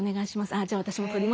じゃあ私も撮りますね」